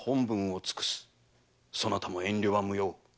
そなたも遠慮は無用。